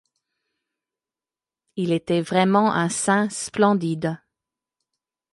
Il était vraiment un Saint splendide.